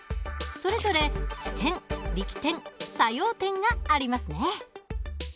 それぞれ支点力点作用点がありますね。